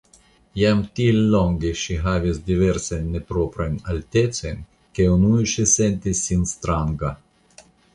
Jam tiel longe ŝi havis diversajn neproprajn altecojn ke unue ŝi sentis sin stranga.